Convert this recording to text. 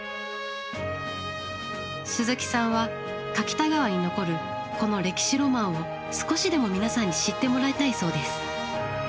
鈴木さんは柿田川に残るこの歴史ロマンを少しでも皆さんに知ってもらいたいそうです。